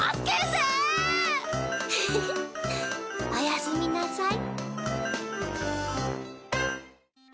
フフフおやすみなさい。